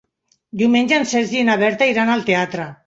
Diumenge en Sergi i na Berta iran al teatre.